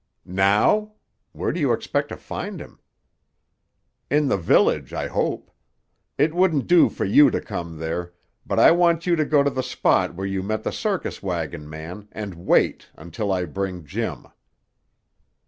"Now? Where do you expect to find him?" "In the village, I hope. It wouldn't do for you to come there. But I want you to go to the spot where you met the circus wagon man, and wait, until I bring Jim."